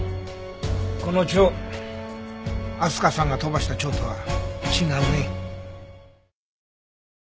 この蝶あすかさんが飛ばした蝶とは違うね。